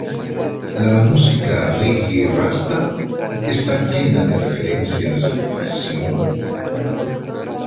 La música reggae rasta está llena de referencias a Sion.